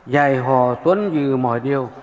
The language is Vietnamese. dạy hò tuấn dư mọi điều